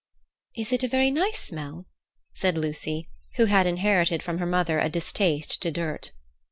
"Is it a very nice smell?" said Lucy, who had inherited from her mother a distaste to dirt.